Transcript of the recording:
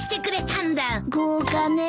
豪華ね！